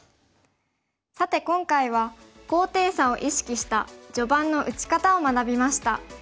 さて今回は高低差を意識した序盤の打ち方を学びました。